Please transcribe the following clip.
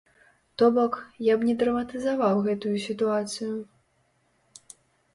То бок, я б не драматызаваў гэтую сітуацыю.